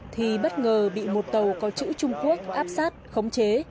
thì bất ngờ bị một tàu có chữ trung quốc áp sát khống chế